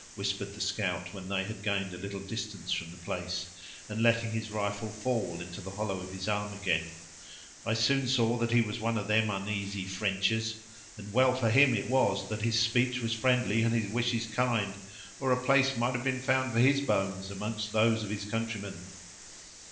whispered the scout, when they had gained a little distance from the place, and letting his rifle fall into the hollow of his arm again; "I soon saw that he was one of them uneasy Frenchers; and well for him it was that his speech was friendly and his wishes kind, or a place might have been found for his bones among those of his countrymen."